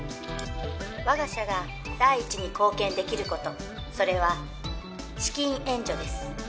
我が社が第一に貢献できることそれは資金援助です